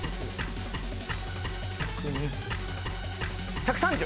１３０！